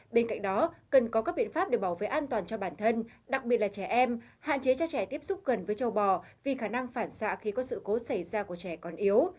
bên cạnh đó cần có các biện pháp để bảo vệ an toàn cho bản thân đặc biệt là trẻ em hạn chế cho trẻ tiếp xúc gần với châu bò vì khả năng phản xạ khi có sự cố xảy ra của trẻ còn yếu